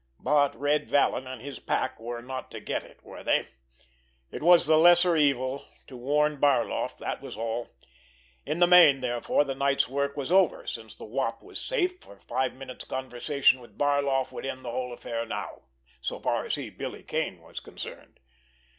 But Red Vallon and his pack were not to get it, were they? It was the lesser evil to warn Barloff, that was all. In the main, therefore, the night's work was over, since the Wop was safe, for five minutes' conversation with Barloff would end the whole affair now, so far as he, Billy Kane, was concerned.